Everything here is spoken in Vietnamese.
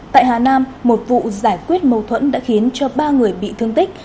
tại hà nam một vụ giải quyết mâu thuẫn đã khiến cho ba người bị thương tích